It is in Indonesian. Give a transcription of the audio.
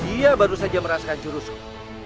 dia baru saja merasakan jurusku